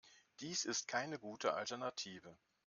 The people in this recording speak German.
Dies ist keine gute Alternative.